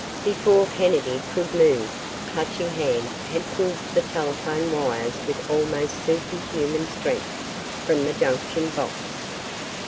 Before Kennedy could move, Clutching Hand had pulled the telephone wires with almost superhuman strength from the junction box.